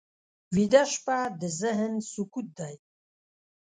ویده شپه د ذهن سکوت دی